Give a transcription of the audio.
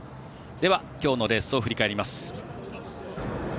では、今日のレースを振り返ります。